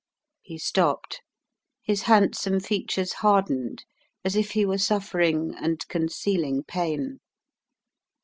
He stopped. His handsome features hardened, as if he were suffering (and concealing) pain.